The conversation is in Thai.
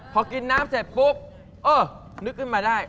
พอกินน้ำเสร็จปุ๊บเออนึกขึ้นมาได้